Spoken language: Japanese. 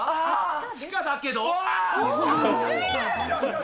地下だけど。